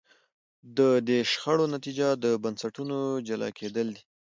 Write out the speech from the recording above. د دې شخړو نتیجه د بنسټونو جلا کېدل دي.